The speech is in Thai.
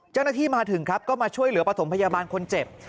เจ้าหน้าที่มาถึงครับก็มาช่วยเหลือประถมพยาบาลคนเจ็บ